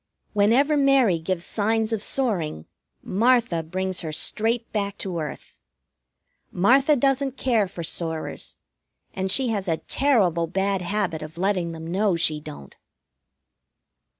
Whenever Mary gives signs of soaring, Martha brings her straight back to earth. Martha doesn't care for soarers, and she has a terrible bad habit of letting them know she don't.